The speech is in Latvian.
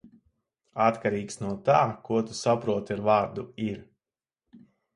Atkarīgs no tā, ko tu saproti ar vārdu "ir".